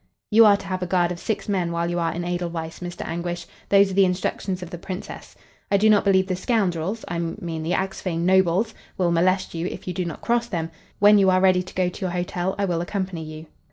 "You are to have a guard of six men while you are in Edelweiss, Mr. Anguish. Those are the instructions of the Princess. I do not believe the scoundrels I mean the Axphain nobles will molest you if you do not cross them, When you are ready to go to your hotel, I will accompany you."